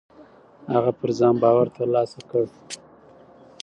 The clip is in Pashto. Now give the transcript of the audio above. هغه پر ځان باور ترلاسه کړ.